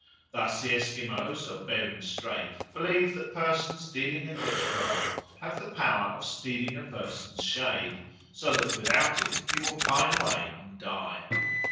Thus the Esquimaux of Bering Strait believe that persons dealing in witchcraft have the power of stealing a person's shade, so that without it he will pine away and die.